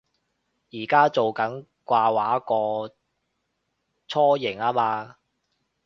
而家做緊掛畫個雛形吖嘛